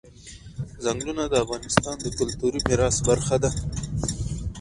ځنګلونه د افغانستان د کلتوري میراث برخه ده.